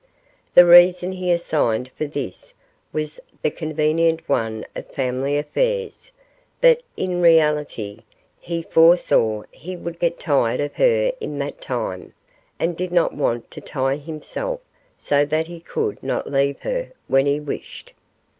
The reason he assigned for this was the convenient one of family affairs; but, in reality, he foresaw he would get tired of her in that time, and did not want to tie himself so that he could not leave her when he wished.